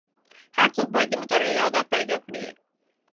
هر څوک باید د مطالعې عادت پیدا کړي.